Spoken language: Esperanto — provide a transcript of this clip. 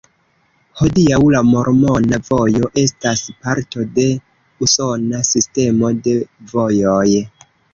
Hodiaŭ la Mormona Vojo estas parto de usona sistemo de vojoj.